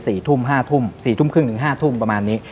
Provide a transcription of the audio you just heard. สี่ทุ่มห้าทุ่มสี่ทุ่มครึ่งถึงห้าทุ่มประมาณนี้